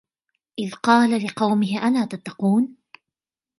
إِذْ قَالَ لِقَوْمِهِ أَلَا تَتَّقُونَ